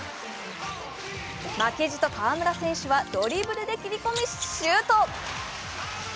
負けじと河村選手はドリブルで切り込み、シュート。